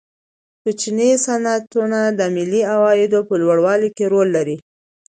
کوچني صنعتونه د ملي عاید په لوړولو کې رول لري.